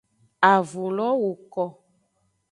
Avulo woko.